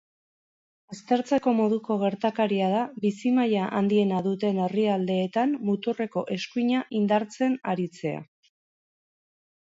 Aztertzeko moduko gertakaria da bizi-maila handiena duten herrialdeetan muturreko eskuina indartzen aritzea.